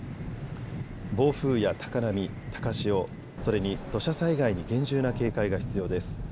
暴風や高波、高潮、それに土砂災害に厳重な警戒が必要です。